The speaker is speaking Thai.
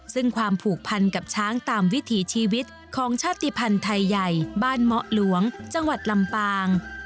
ซึ่งความผูกพันกับช้างตามวิถีชีวิตของชาติภัณฑ์ไทยใหญ่บ้านเมาะหลวงจังหวัดลำปาง